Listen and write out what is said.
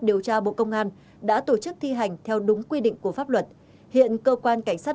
điều tra bộ công an đã tổ chức thi hành theo đúng quy định của pháp luật hiện cơ quan cảnh sát